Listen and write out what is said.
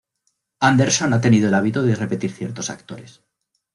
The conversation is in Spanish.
Anderson ha tenido el hábito de repetir ciertos actores.